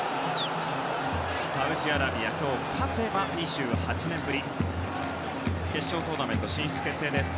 サウジアラビア、今日勝てば２８年ぶりに決勝トーナメント進出決定。